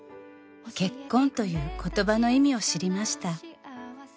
「結婚という言葉の意味を知りました」